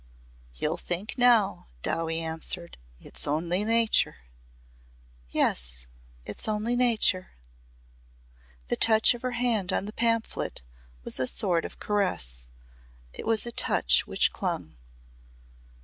"You'll think now," Dowie answered. "It's only Nature." "Yes it's only Nature." The touch of her hand on the pamphlet was a sort of caress it was a touch which clung.